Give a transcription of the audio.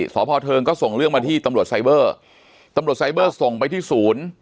สพเทิงก็ส่งเรื่องมาที่ตำรวจไซเบอร์ตำรวจไซเบอร์ส่งไปที่ศูนย์